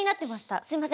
すみません。